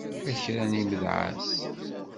A kra n imedεas!